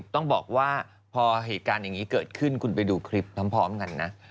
ต้องบอกว่าพอเหตุการณ์อย่างนี้เกิดขึ้นคุณไปดูคลิปพร้อมกันนะ